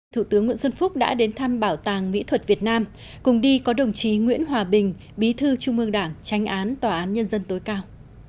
thủ tướng nguyễn xuân phúc đã đến thăm bảo tàng mỹ thuật việt nam cùng đi có đồng chí nguyễn hòa bình bí thư trung ương đảng tranh án tòa án nhân dân tối cao